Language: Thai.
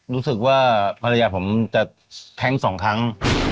รู้สึกว่าภรรยาผมจะแท้งสองครั้ง